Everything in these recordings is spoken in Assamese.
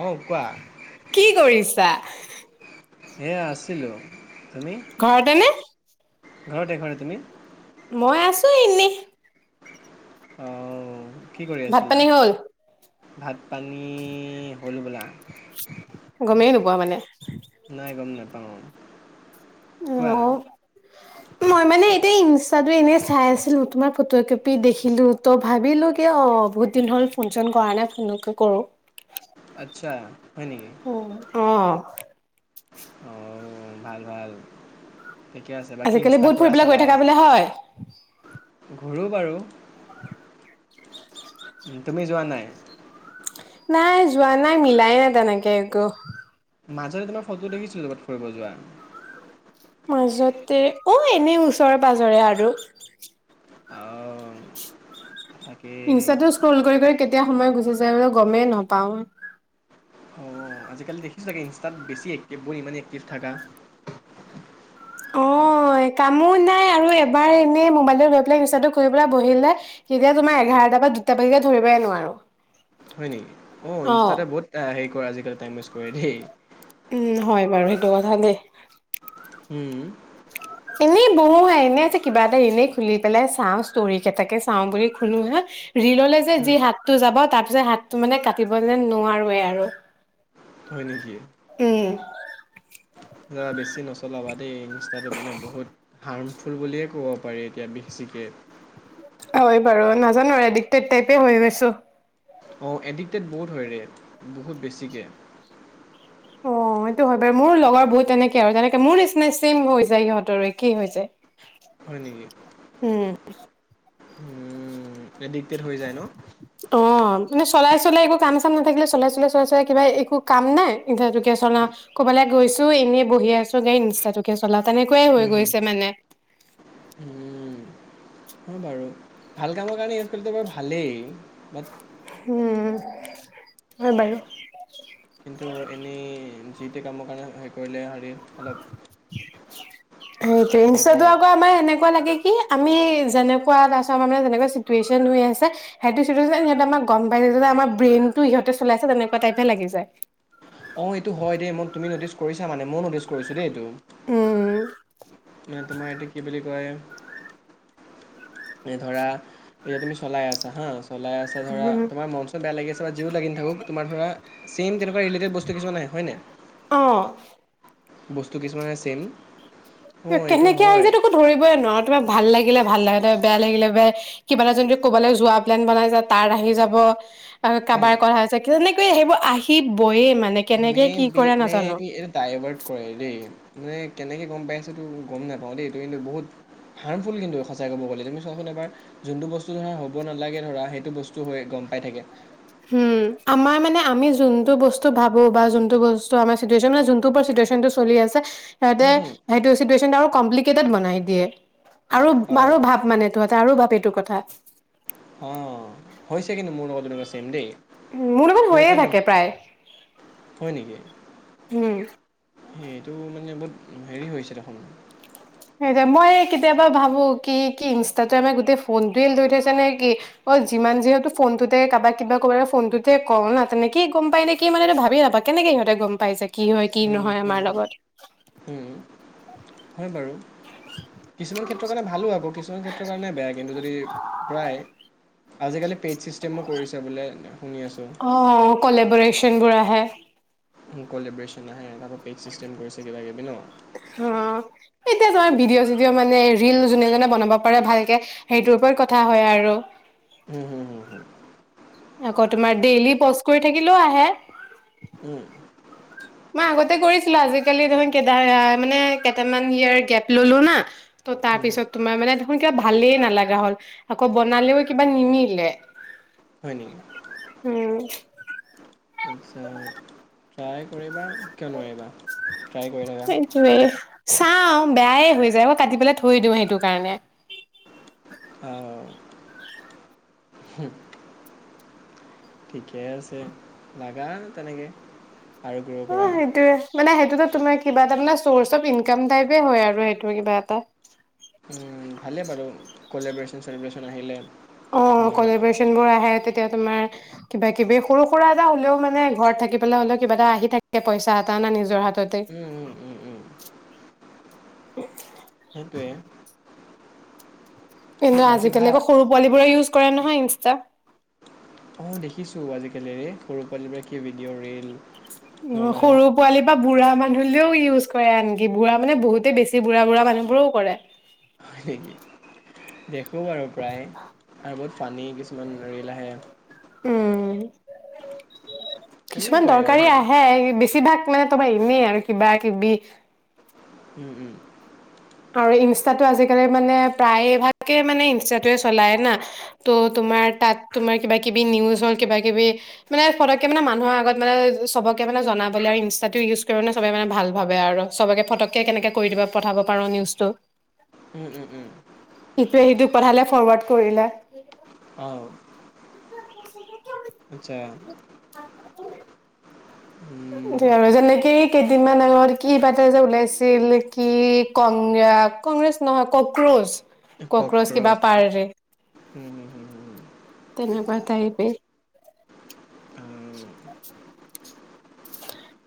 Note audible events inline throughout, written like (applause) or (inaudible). অঁ কোৱা কি কৰিছা? এয়া আছিলো, তুমি? ঘৰতে নে ঘৰতে ঘৰতে তুমি? মই আছো এনে। অ। কি কৰি ভাত আছিলা? পানী হ'ল ভাত পানী হ'ল হল হবলা। পোৱা মানে। অ। কোৱা। অ মই মানে এতিয়া ইনষ্টা এনেই চাই আছিলোঁ, তোমাৰ ফটো এটা দেখিলোঁ। ত' ভাবিলোঁ কি অ', বহুত দিন হ'ল ফোনচোন কৰা নাই, ফোনকে কৰোঁ। আচ্ছা। হয় নেকি উ, অ। অ', ভাল ভাল। ঠিকে আছে বাকী আজিকালি ইনষ্টা বহত ফুৰিবলে গৈ থাকা বোলে হয়? ঘোৰো বাৰু। (unintelligible) তুমি যোৱা নাই? নাই যোৱা নাই, মিলাই নাই তেনেকে একো। মাজতে তোমাৰ ফটো দেখিছোটো কৰবাত ফুৰিব যোৱা। মাজতে অ', এনে ওচৰে পাজৰে আৰু। অঁ তাকেই ইনষ্টা অঁ টো স্ক্ৰল কৰি কৰি কেতিয়া সময় গুচি যায় মানে গমেই নাপাওঁ। আজিকালি দেখিছা চাগে ইনষ্টাত বেছি এক্টিভ বোৰ ইমানেই এক্টিভ থাকা। অ কামো নাই আৰু এবাৰ এনে মোবাইলটো লৈ পেলাই ইনস্তা টো কৰি পেলাই বহিলে কেতিয়া তোমাৰ এঘাৰটা পৰা দুটা বজিকে ধৰিবই নোৱাৰো। হয় নেকি? অ', ইনষ্টাতে বহুতটা আজিকালি টাইম ৱেষ্ট কৰে দেই। উম', হয় বাৰু সেইটো কথা দেই। উম। এনেই বহুহে। এনেই যে কিবা এটা এনেই খুলি পেলাই চাওঁ, ষ্টৰি কেইটাকে চাওঁ বুলি খুলো হা ৰিললে যে যি উম, হাতটো যাব তাত (unintelligible) হাতটো মানে কাটিব যে নোৱাৰোৱে আৰু হয় নেকি? উম, (inaudible) বেছি নচলাবা দেই, ইনস্তা টো মানে বহুত হাৰ্ম (unintelligible) বুলিয়ে ক'ব পাৰি এতিয়া বেছিকে হয় বাৰু। নাজানো এডিকটেড টাইপে হৈ গৈছোঁ অ'', এডিক্টেড বহুত হয় ৰে। বহুত বেছিকে অ', এইটো হয় বাৰু, মোৰ লগৰবোৰ তেনেকে আৰু তেনেকে মোৰ নিচিনাই চেম হয় যায়, সিহঁতৰো একেই হয় যায়। হয় নেকি? উম। উম', এডিক্টেড হৈ যায় ন? অ মানে (inaudible) চলাই চলাই একো কাম চাম নাথাকিলে চলাই চলাই চলাই চলাই কিবা একো কাম নাই এতিয়া এইটোকে চলাও কবালে গৈছোঁ এনেই বহি আছো ইনষ্টা তোকে চলাও তেনেকুৱাই হৈ উম, হুম, গৈছে মানে অ' বাৰু, ভাল কামৰ কাৰণে ইউজ কৰিলে বাৰু ভালেই বাট উম'। হয় বাৰু। কিন্তু এনেই যিটো কামৰ কাৰণে হেৰি কৰিলে এই (unintelligible) (inaudible) (unintelligible) আকৌ আমাৰ এনেকে এনেকুৱা লাগে কি, আমি যেনেকুৱা তাৰ পিছত আমাৰ মানে চিটোৱেচন হৈ আছে, সেইটো চিটোৱাচন সিহঁতে আমাক গম পাই গৈছে যে, আমাৰ ব্ৰেইনতো ইহতে চলাইছে তেনেকুৱা টাইপে লাগি যায়। অ এইটো হয় দেই। মোক তুমি নটিচ কৰিছা মানে মইও (unintelligible) এইটো। উম তোমাৰ এইটো কি বুলি কৈ এ ধৰা, এতিয়া তুমি চলাই আছা হা। চলাই আচা ধৰা, উম তোমাৰ মন-চন বেয়া লাগি আছে যিও লাগি নাথাকক তোমাৰ ধৰা, ছেম তেনেকুৱা ৰিলেটেড বস্তু হয় নাই? অ'। বস্তু কিছুমানে ছেম কেনেকে আহি যে, তোকো ধৰিবই নোৱাৰো তোমাক ভাল লাগে লাগিলে ভাল লাগে, বেয়া লাগিলে বেয়াই, কিবা এটা যদি ক'বালৈ যোৱা প্লেন বনাই যায় তাত আহি যাব। আৰু উম কাৰবাৰ কৰা হৈছে, কিজানি এ সেইবোৰ আহিবয়ে মান মে, বি, মেবি, এইটো ডাইভাৰ্ট কৰে দেই, মে কেনেকে গম পাই আছা তুমি মই গম নাপাওঁ দেই, এইটো কিন্তু বহুত হাৰ্মফুল কিন্তু সঁচাই ক'ব গ'লে, তুমি চোৱাচোন এবাৰ যোনটো বস্তু ধৰা হ'ব নালাগে ধৰা সেইটো বস্তু হৈ গম পাই থাকে। হুম, আমাৰ মানে আমি যোনটো বস্তু ভাবো বা যোনটো বস্তু আমাৰ চিটুৱেচন মানে যোনটো ওপৰত চিটুৱেচনটো চলি আছে সেহঁতে হুম হুম সেইটোৱে চিটুএচ কম্প্লিকেটেদ বনাই দিয়ে আৰু বাৰু অঁ ভাপ মানে এইটো এটা আৰু ভাবে এইটো কথা। অঁ হৈছে কিন্তু মোৰ লগত এনেকুৱা চেম, দেই। মোৰ লগত হৈয়ে থাকে (unintelligible) প্ৰায় হয় নেকি, উম এইটো মানে বহুত হেৰি হৈছে দেখোন সেটোৱেই মই কেতিয়াবা ভাবো, কি, কি ইনষ্টাটোৱে আমাৰ গোটেই ফোনটোৱে লৈ থৈছে নে কি, অ', যিমান যি হক ফোনটোতে কাৰোবাক কিবা ক'ব লাগিলে ফোনটোতে কম না তেনেকেই গম পাই নে কি, মানে এইটো ভাবি নাপাওঁ, কেনেকে সিহঁতে গম পাই যে কি হয়, কি উম, নহয়, আমাৰ লগত (inaudible) উম, উম, হয় বাৰু কিছুমান ক্ষেত্ৰৰ কাৰণে ভালো আকৌ কিছুমান ক্ষেত্ৰৰ কাৰণে বেয়া, কিন্তু যদি প্ৰায় আজিকালি পেইড ছিষ্টেমো কৰিছে বোলে। শুনি আছোঁ অ কলাবৰেচন বোৰ আহে। কলেব্ৰচেন আহে। পেইড চিষ্টেম কৰিছে বিনো অ', এতিয়া যাৰ ভিডিঅ'-চিডিঅ' মানে ৰিল যোনে যোনে বনাব পাৰে ভালকে, সেইটোৰ ওপৰত কথা হয় আৰু উম উম উম উম আকৌ তোমাৰ ডেইলী প'ষ্ট কৰি থাকিলেও আহে, মই উম, আগতে কৰিছিলো, আজিকালি দেখোন, কেদা, মানে কেইটামান ইয়াৰ গেপ ললোঁ না, তো তাৰ হুম, হুম, পিছত তোমাৰ মানে দেখোন কিবা ভালেই নালাগা হ'ল, আকৌ বনালেও কিবা নিমিলে। (inaudible) উম। আচ্ছা ট্ৰাই কৰিবা কিয় নোৱাৰিবা? ট্ৰাই কৰি থাকা সেইটোৱেই। চাওঁ, বেয়ায়ে হৈ যায় অ, কাটি পেলাই থৈ দিওঁ সেইটো কাৰণে। অহ। ঠিকে আছে, লাগা তেনেকে। অ সেইটোয়ে, মানে সেইটোতো তোমাৰ কিবা তাৰমানে, চ'ৰ্চ অফ ইনকাম টাইপে হয় আৰু সেইটো কিবা এটা। ভালে বাৰু, কলেবৰেশ্যন-চলেবৰেশ্যন আহিলে। অ তোমাৰ কলেবৰেচন বোৰ আহে তেতিয়া তোমাৰ কিবা কিবি সৰু সুৰা এটা হলেও মানে ঘৰত থাকি পেলাই হলেও কিবা এটা আহি থাকে পইচা এটা না নিজৰ হাততে। উম উম উম উম সেইটোৱে কিন্তু বাকী আজিালি ভাল আক সৰু পোৱালিবোৰে ইউজ কৰে নহয় ইনষ্টা। অ দেখিছোঁ আজিকালিৰে সৰু পোৱালিবোৰে কি ভিডিঅ', ৰিল অ বনাই সৰু পোৱালি পা বুঢ়া মানু লেও ইউজ কৰে আনকি বুঢ়া মানে বহুতেই বেছি বুঢ়া বুঢ়া মানুহবোৰৰেও কৰে। (unintelligible) দেখো বাৰু প্ৰায় আৰু বহুত ফানী কিছুমান ৰিল আহে। উম, কিছুমান তেনেকুৱাই আৰু দৰকাৰী সেইবোৰ আহে বেছি (unintelligible) এনেই আৰু কিবা কিবি। উম উম আৰু ইনষ্টাটো আজিকালি মানে প্ৰায়ে ভাগে মানে ইনষ্টাটোৱে চলাই না ত তোমাৰ তাত তোমাৰ কিবা কিবি নিউজ হল কিবা কিবি মানে ফটককে মানে মানুহৰ আগত মানে সবকে মানে জনাবলে আৰু ইনষ্টাটো ইউজ কৰে মানে সবে মানে ভাল ভাবে আৰু চবকে ফটককে কেনেকে কৰি দিব পঠাব পাৰোঁ নিউজটো উম উম উম ইটোৱে সিটোক পঠালে ফৰ অঁ আচ্ছা। (inaudible) উম (unintelligible) এই কেইদিনমান আগত কিবাতা যে ওলাইছিল কি কংগ্ৰ কংগ্ৰেছ নহয় কক্ৰোচ কক্ৰোচ কিবা কক্ৰচ পাৰ্টি। উম হুম হুম হুম তেনেকুৱা টাইপেই। উম (inaudible)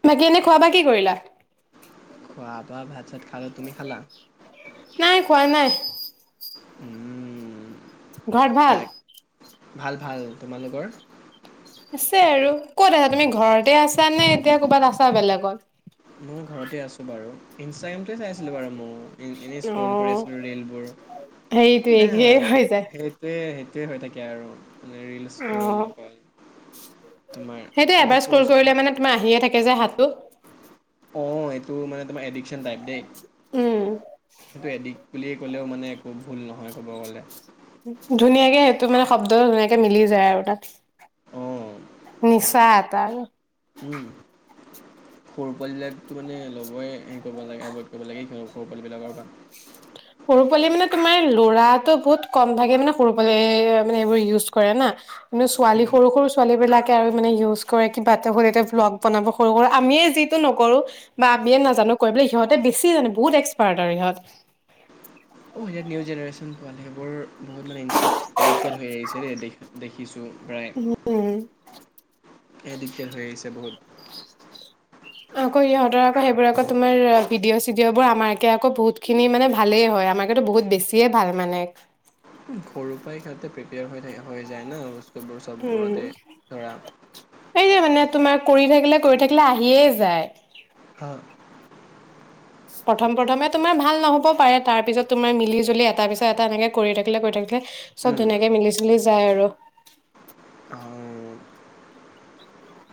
বাকী এনে খোৱা-বোৱা কি কৰিলা? আপা ভাত-চাত খালো। তুমি খালা? নাই খোৱা নাই। উম ঘৰত ভাল? বাক ভাল ভাল। তোমালোকৰ? আছে আৰু। ক'ত আছা তুমি ঘৰতে আছা নে এতিয়া ক'বাত আছা বেলেগত? মই ঘৰতে আছোঁ বাৰু ইনষ্টাগ্ৰামটোৱে চাই আছিলোঁ বাৰু মইও। এনেই অ স্ক্ৰল কৰি আছিলো ৰিলবোৰ সেইটোৱে একেই (unintelligible) হৈ যায় সেইটোৱে সোটোৱেই হৈ থাকে আৰু। মানে ৰিল অ স্ক্ৰল অকল আমাৰ আকৌ (inaudible) কে যে হাতটো। অ এইটো মানে তোমাৰ এডিকচন টাইপ দেই। উম সেইটো এদিক (inaudible) বুলিয়ে ক'লেও মানে একো ভুল নহয় ক'ব গ'লে। ধুনীয়াকে সেইটো মানে শব্দ ধুনীয়াকে মিলি যায় আৰু তাত অঁ নিচা এটা উম সৰু পোৱালিবিলাকতো মানে লবই হেৰি কৰিব নালাগে এভইড কৰিব লাগে সৰু পোৱালিবিলাকৰ পৰা। সৰু পোৱালি মানে তোমাৰ ল'ৰাটো বহুত কম ভাগে মানে সৰু পোৱালি মানে এইবোৰ ইউজ কৰে না। কিন্তু ছোৱালী সৰু সৰু ছোৱালী বিলাকে কে আৰু মানে ইউজ কৰে কিবা এটা হ'ল এতিয়া ভ্লগ বনাব সৰু-সুৰা আমিয়ে যিটো নকৰো বা আমিয়ে নাজানো কৰিবলে সিহঁতে বেছি জানো বহুত এক্সপাৰ্ট আৰু সিহঁত। অ' সেই নিউ জেনেৰেশ্যন পোৱালি সেইবোৰ বহুত মানে ইনষ্টাত এডিক্টেড হৈ আহিছে দেই দে দেখিছোঁ প্ৰায় উম এ দিগদাৰ হৈ আহিছে বহুত আকৌ ইহঁতৰ আকৌ সেইবোৰ আকৌ তোমাৰ ভিডিঅ' চিডিঅ'বোৰ আমাৰকে আকৌ বহুত খিনি মানে ভালেই হয় আমাৰো বহুত বেছিয়ে ভাল মানে সৰুৰ পৰাই সিহঁতে প্ৰিপেয়াৰ হৈ থাকে হৈ যায় না বস্তু উম সেই যে মানে তোমাৰ কৰি থাকিলে কৰি থাকিলে আহিয়ে যায় হা প্ৰথম প্ৰথমে তোমাৰ ভাল নহ'ব পাৰে তাৰ পিছত তোমাৰ মিলিজুলি এটা পিছত এটা এনেকে কৰি থাকিলে কৰি থাকিলে চব উম ধুনীয়াকে মিলি-জুলি যায় আৰু অ'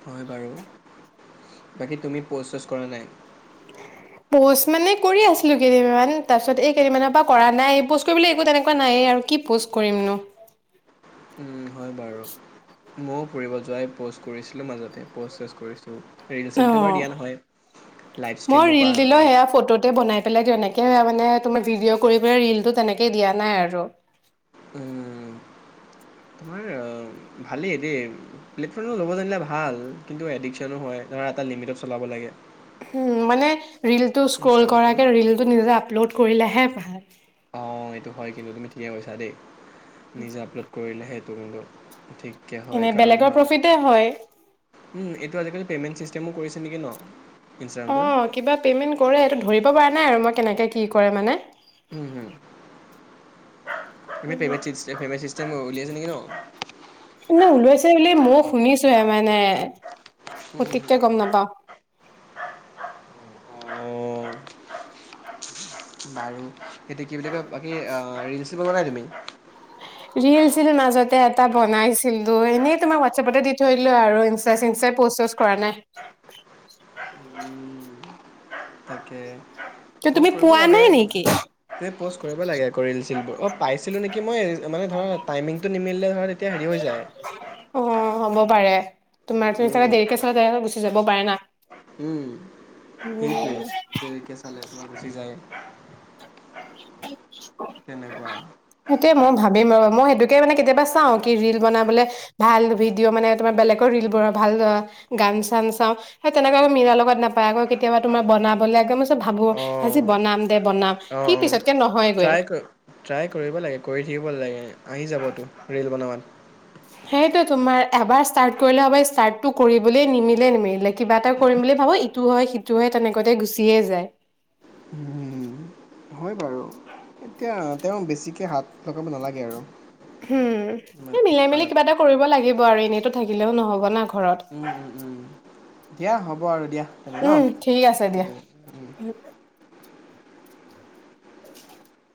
হয় বাৰু বাকী তুমি পোজ-চোজ কৰা নাই? প'ষ্ট মানে কৰি আছিলো কেইদিন তাৰপিছ এই কেইদিনমান পৰা কৰা নাই কৰিব একো তেনেকুৱা নাইয়ে আৰু কি প'ষ্ট কৰিমনো। মইও ফুৰিব যোৱাই প'ষ্ট কৰিছিলোঁ মাজতে প'ষ্ট চোজ কৰিছিলো। অ ৰিল-চিলটো বাৰু দিয়া নহয়। লাইভ মই ষ্ট্ৰীমো ৰিল কৰা দিলেও নহয়ে। সেয়া ফটোতে বনাই পেলাই দি এনেকে মানে তোমাৰ ভিডিঅ' কৰি পেলাই ৰিলটো তেনেকে দিয়া নাই আৰু। উম। তোমাৰ ভালেই দেই প্লেটফৰ্মবোৰ ল'ব জানিলে ভাল। কিন্তু এডিকশ্বন হয়। ধৰা এটা লিমিটত চলাব লাগে। উম। মানে ৰিলটো স্ক্ৰ'ল ইনষ্টাগ্ৰামটো কৰাকে ৰিলটো নিজে আপলোড কৰিলেহে (unintelligible) অ' এইটো হয় কিন্তু তুমি ঠিকে কৈছা দেই। নিজে আপলোড কৰিলেহে সেইটো কিন্তু ঠিক কে হয় এনে কাৰণ বেলেগৰ ধৰা প্ৰফিতে হয় উম এইটো আজিকালি পেমেন্ট চিষ্টেমো কৰিছে (unintelligible) নেকি ন' ইনষ্টাগ্ৰামটোত অ' কিবা পেমেণ্ট কৰে এইটো ধৰিব পাৰ নাই আৰু মই কেনেকে কি কৰে মানে উম হম আমি (unintelligible) বহুত উলিয়াইছে নেকি ন'? এনে ওলাইছে বুলি ময়ো শুনিছোহে মানে হুম হুম হুম। সঠিককে গম নাপাও‍ঁ। অ' বাৰু সেটি কি বুলি কয় বাকী অ' ৰিলচ (unintelligible) নাই তুমি ৰিল- চিল মাজতে এটা বনাইছিলো এনেই তোমাক হোৱাটছআপতে দি থৈলো আৰু ইনষ্টা- চিনষ্টা পষ্ট- চষ্ট কৰা নাই। তাকে উ (unintelligible) প'ষ্ট কৰিব লাগে। পষ্ট' কৰিব লাগে আকৌ ৰিল চিলবোৰ। অঁ পাইছিলোঁ নেকি মই। মানে ধৰা টাইমিংটো নিমিলে ধৰা তেতিয়া হেৰি হৈ অ' যায় হ'ব পাৰে তোমাৰ টো চাগে উম দেৰিকে চালে গুচি যাব পাৰে না। উম উম সেইটোৱে দেৰিকে চালে তোমাৰ গুচি যায়। তেনেকুৱা সেইটোয়ে মই ভাবিম ৰ'বা মই সেইটোকে মানে কেতিয়াবা চাওঁ কি ৰিল বনাবলে ভাল ভিডিঅ' মানে তোমাৰ বেলেগৰ ৰিল বোৰ ভাল গান চান চাওঁ সেই তেনেকুৱা মিলাৰ লগত নাপায় আকৌ কেতিয়াবা তোমাৰ বনাবলৈ ভাবো আজি অ', বনাম বনাম অ', কি অ', পিছত ট্ৰাই কৰিম ট্ৰাই কৰিব লাগে কৰি থাকিব লাগে আহি যাবতো ৰিল বনোৱাত সেইটোৱে টো তোমাৰ এবাৰ স্তাৰ্ত কৰিলে হব পায়। স্তাৰ্ত কৰিবলৈ নিমিলে নিমিলে। কিবা এটা কৰিম বুলি ভাবো ইটো হয় সিটো হয় তেনেকোৱাতে গুচিয়ে যায়। উম, হয় বাৰু। এতিয়া তেওঁ বেছিকে হাত লগাব নালাগে আৰু হম উম, এই মিলাই মেলি কিবা এটা কৰিব লাগিব আৰু এনেই টো থাকিলেও নহ'ব না ঘৰত উম উম উম দিয়া হ'ব বাৰো উম ঠিক আছে দিয়া।